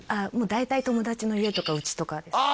大体友達の家とかうちとかであ